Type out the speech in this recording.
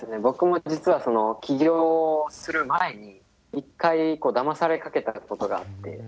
僕も実は起業する前に１回だまされかけたことがあって。